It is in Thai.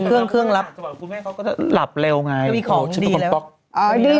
เครื่องเครื่องรับคุณแม่เขาก็จะหลับเร็วไงมีของดีแล้วอ๋อดี